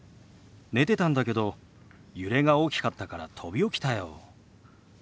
寝てたんだけど揺れが大きかったから飛び起きたよ。